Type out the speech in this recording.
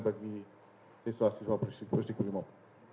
bagi siswa siswa pusdik brimob